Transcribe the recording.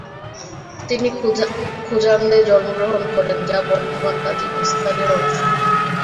তিনি খুজান্দে জন্মগ্রহণ করেন, যা বর্তমানে তাজিকিস্তানের অংশ।